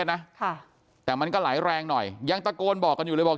นะค่ะแต่มันก็ไหลแรงหน่อยยังตะโกนบอกกันอยู่เลยบอก